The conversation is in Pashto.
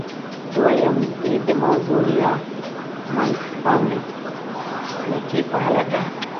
دویم یې د موضوع یا منځپانګې په اړه ده.